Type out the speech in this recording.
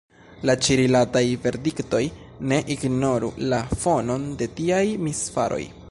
La ĉi-rilataj verdiktoj ne ignoru la fonon de tiaj misfaroj.